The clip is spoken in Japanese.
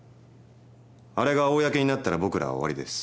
あれが公になったら僕らは終わりです。